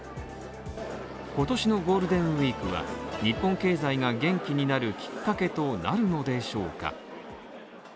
今年のゴールデンウィークは、日本経済が元気になるきっかけとなるのでしょうか？